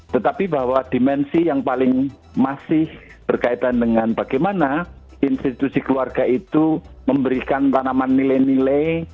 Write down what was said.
tetapi bahwa dimensi yang paling masih berkaitan dengan bagaimana institusi keluarga itu memberikan tanaman nilai nilai